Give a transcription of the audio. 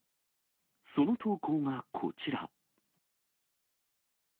その投稿がこちら。